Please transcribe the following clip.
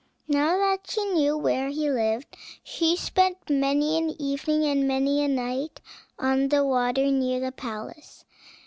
Now that she knew where he lived, she spent many an evening and many a night on the water near the palace.